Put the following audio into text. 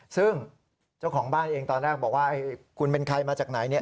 ซึ่งเจ้าของบ้านเองตอนแรกบอกว่าคุณเป็นใครมาจากไหนเนี่ย